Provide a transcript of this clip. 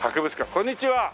こんにちは。